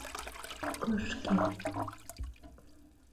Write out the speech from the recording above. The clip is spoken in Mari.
кышке